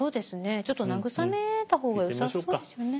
ちょっと慰めた方がよさそうですよね。